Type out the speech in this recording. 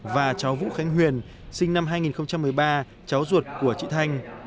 và cháu vũ khánh huyền sinh năm hai nghìn một mươi ba cháu ruột của chị thanh